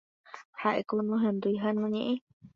Ha'éko nohendúi ha noñe'ẽi.